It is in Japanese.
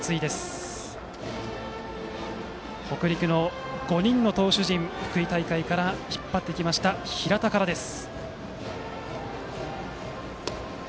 バッターは北陸の５人の投手陣を福井大会から引っ張ってきた平田からです。